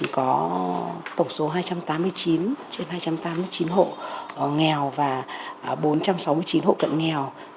có tổng số hai trăm tám mươi chín hộ nghèo và bốn trăm sáu mươi chín hộ cận nghèo